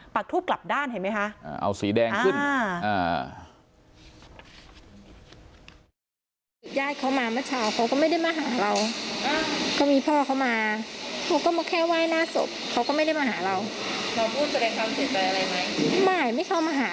ปักทูปกลับด้านเห็นมั้ยคะ